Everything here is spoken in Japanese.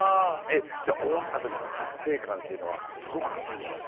じゃあ終わったときの達成感っていうのは、すごかったんじゃない？